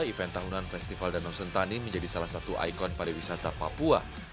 event tahunan festival danau sentani menjadi salah satu ikon pariwisata papua